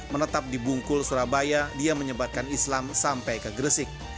menetap di bungkul surabaya dia menyebatkan islam sampai ke gresik